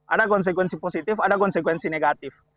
ada konsekuensi positif ada konsekuensi negatif